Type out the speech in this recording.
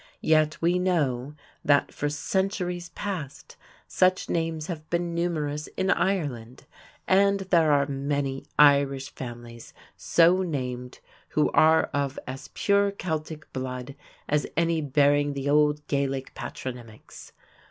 Yet we know that for centuries past such names have been numerous in Ireland, and there are many Irish families so named who are of as pure Celtic blood as any bearing the old Gaelic patronymics.